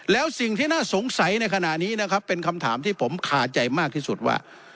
แล้วสิ่งที่น่าสงสัยในขณะนี้นะครับเป็นคำถามที่ผมคาใจมากที่สุดว่า